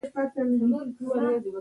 د ګلونو موسم تېر شوی وي